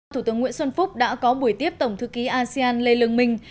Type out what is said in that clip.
thủ tướng nguyễn xuân phúc đã có buổi tiếp tổng thư ký asean lê lương minh